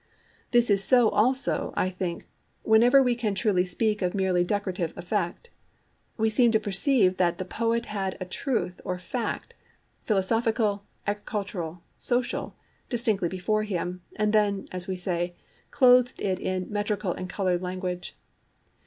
This is so also, I think, wherever we can truly speak of merely decorative effect. We seem to perceive that the poet had a truth or fact—philosophical, agricultural, social—distinctly before him, and then, as we say, clothed it in metrical and coloured language.